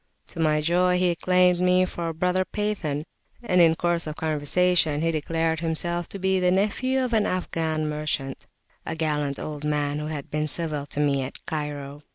To my joy he claimed me for a brother Pathan, and in course of conversation he declared himself to be the nephew of an Afghan merchant, a gallant old man who had been civil to me at Cairo.